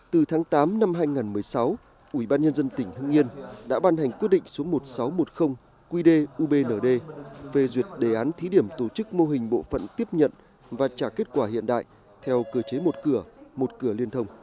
từ tháng tám năm hai nghìn một mươi sáu ủy ban nhân dân tỉnh hương yên đã ban hành quyết định số một nghìn sáu trăm một mươi qd ubnd về duyệt đề án thí điểm tổ chức mô hình bộ phận tiếp nhận và trả kết quả hiện đại theo cơ chế một cửa một cửa liên thông